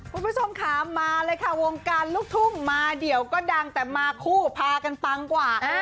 คุณผู้ชมค่ะมาเลยค่ะวงการลูกทุ่งมาเดี๋ยวก็ดังแต่มาคู่พากันปังกว่า